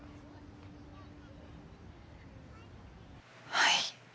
はい。